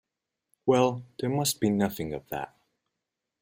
Well, there must be nothing of that.